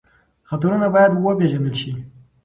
خطرونه باید وپېژندل شي.